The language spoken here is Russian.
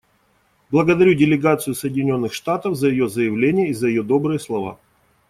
Благодарю делегацию Соединенных Штатов за ее заявление и за ее добрые слова.